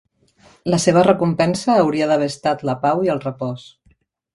La seva recompensa hauria d'haver estat la pau i el repòs.